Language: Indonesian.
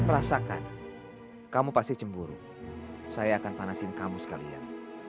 rasakan kamu pasti cemburu saya akan panasin kamu sekalian